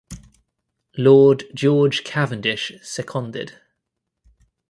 Lord George Cavendish seconded.